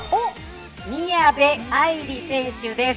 宮部藍梨選手です。